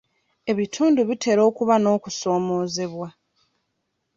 Ebitundu bitera okuba n'okusoomoozebwa.